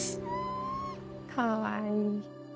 かわいい。